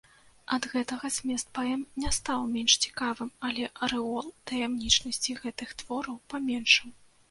Ад гэтага змест паэм не стаў менш цікавым, але арэол таямнічасці гэтых твораў паменшыў.